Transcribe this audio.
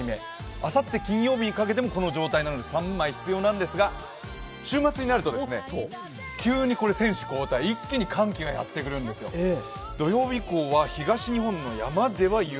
あさって金曜日にかけてもこの状態なので３枚必要なんですが、週末になると急に選手交代、一気に寒気がやってくるんですよ土曜日以降は東日本の山では雪